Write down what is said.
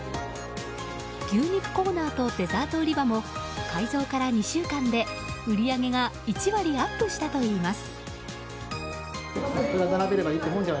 牛肉コーナーとデザート売り場も改造から２週間で、売り上げが１割アップしたといいます。